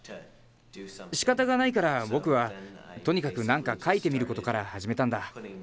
しかたがないから僕はとにかく何か描いてみることから始めたんだ。